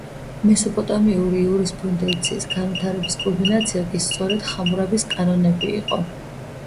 მესოპოტამიური იურისპუდენციის განვითარების კულმინაცია კი სწორედ ხამურაბის კანონები იყო.